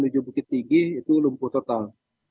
jadi tinggi itu lumpuh total